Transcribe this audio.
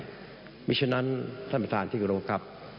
เพราะฉะนั้นท่านประธานที่กรบครับ